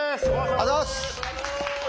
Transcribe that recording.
ありがとうございます。